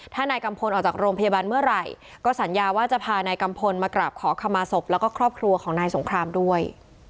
ถ้านายกัมพลออกจากโรงพยาบาลเมื่อไหร่ก็สัญญาว่าจะพานายกัมพลมากราบขอขมาศพแล้วก็ครอบครัวของนายสงครามด้วย